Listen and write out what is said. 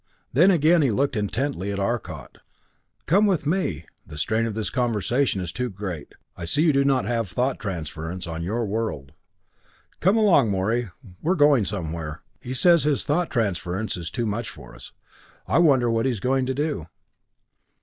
Then again he looked intently at Arcot. "Come with me the strain of this conversation is too great I see you do not have thought transference on your world." "Come along, Morey we're going somewhere. He says this thought transference is too much for us. I wonder what he is going to do?"